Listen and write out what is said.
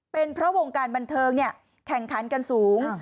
เป็นเพราะวงการบันเทิงแข่งขันกันสูง